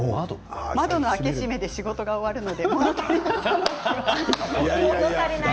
窓の開け閉めで仕事が終わります。